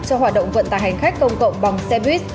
cho hoạt động vận tài hành khách công cộng bằng xe buýt